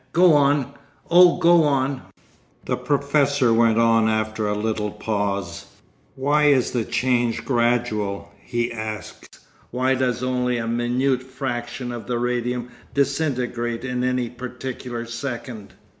Go on! Oh, go on!' The professor went on after a little pause. 'Why is the change gradual?' he asked. 'Why does only a minute fraction of the radium disintegrate in any particular second?